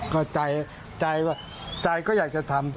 ก็ใจก็อยากจะทำ